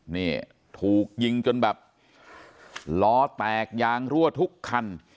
นี่ถูกยิงจนแบบล้อแตกยางรั่วทุกคัน